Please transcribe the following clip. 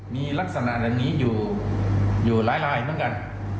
มีลักษณะอย่างนี้อยู่หลายลายเหมือนกัน